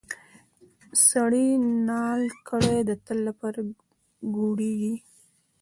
سړی نال کړې د تل لپاره ګوډیږي.